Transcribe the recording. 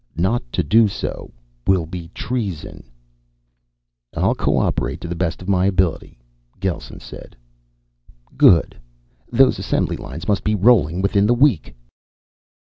"Not to do so will be treason." "I'll cooperate to the best of my ability," Gelsen said. "Good. Those assembly lines must be rolling within the week."